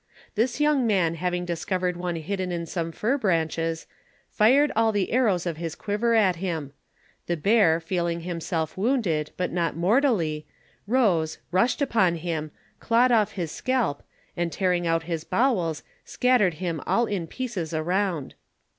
This young man having discov ered one hidden in some fir branches, fired all the arrows of his quiver at him. The bear feeling himself wounded, but not mortally, rose, rushed upon him, clawed off his scalp, and tearing out his bowels, scattered him all in pieces around.